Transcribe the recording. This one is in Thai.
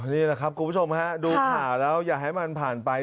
นี่แหละครับคุณผู้ชมฮะดูข่าวแล้วอย่าให้มันผ่านไป